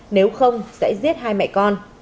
nếu không sẽ giết hai mẹ con